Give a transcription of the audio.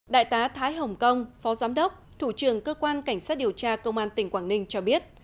đại tá thái hồng kông phó giám đốc thủ trưởng cơ quan cảnh sát điều tra công an tỉnh quảng ninh cho biết